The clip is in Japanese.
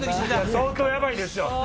相当ヤバいですよ